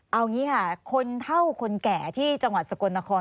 เอางี้ค่ะคนเท่าคนแก่ที่จังหวัดสกลนคร